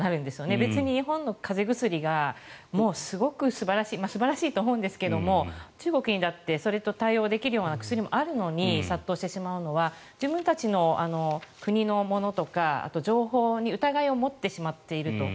別に日本の風邪薬がもうすごく素晴らしい素晴らしいと思うんですが中国にだってそれに対応できるような薬もあるのに、殺到してしまうのは自分たちの国のものとかあと、情報に疑いを持ってしまっていると。